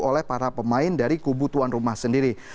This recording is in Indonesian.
oleh para pemain dari kubu tuan rumah sendiri